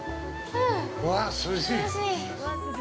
うわっ、涼しい。